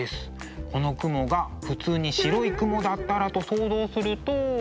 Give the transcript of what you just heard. この雲が普通に白い雲だったらと想像すると。